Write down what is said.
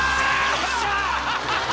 よっしゃ！